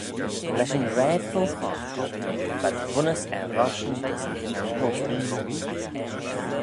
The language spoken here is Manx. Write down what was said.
Lesh yn raad fo-chosh, v'ad bunnys er roshtyn dys yn oik postagh.